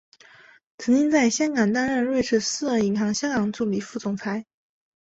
曾经在香港担任瑞士私人银行香港助理副总裁。